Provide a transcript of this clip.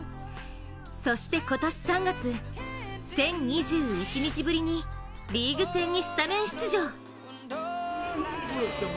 そして今年３月、１０２１日ぶりにリーグ戦にスタメン出場。